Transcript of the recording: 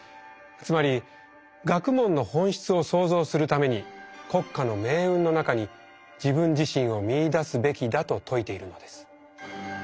つまり学問の本質を創造するために国家の命運の中に自分自身を見いだすべきだと説いているのです。